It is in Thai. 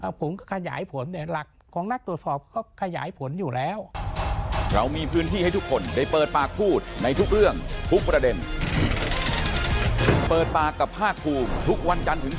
ผมขยายผลเนี่ยหลักของนักตรวจสอบเขาขยายผลอยู่แล้ว